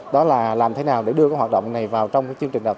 đó là làm thế nào để đưa hoạt động này vào trong các trường đại học cao đẳng